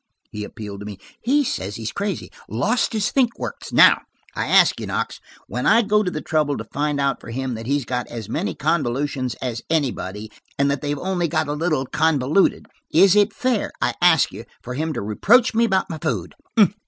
He appealed to me. "He says he's crazy–lost his think works. Now, I ask you, Knox, when I go to the trouble to find out for him that he's got as many convolutions as anybody, and that they've only got a little convolved, is it fair, I ask you, for him to reproach me about my food?"